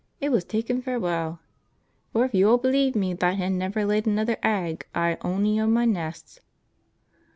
It were tekkin' farewell! For if yo'll believe me that hen never laid another egg i' ony o' my nests.